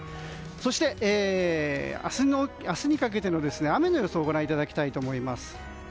そして明日にかけての雨の予想をご覧いただきたいと思います。